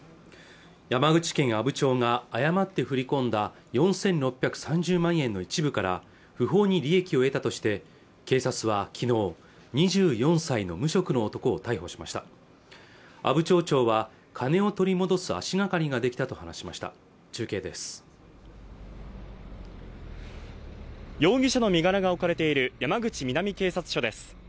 山口県阿武町が誤って振り込んだ４６３０万円の一部から不法に利益を得たとして警察はきのう２４歳の無職の男を逮捕しました阿武町長は金を取り戻す足がかりができたと話しました中継です容疑者の身柄が置かれている山口南警察署です